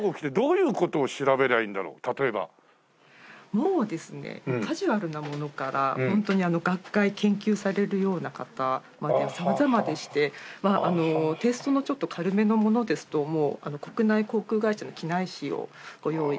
もうですねカジュアルなものからホントに学会研究されるような方まで様々でしてテイストのちょっと軽めのものですともう国内航空会社の機内誌をご用意していたり。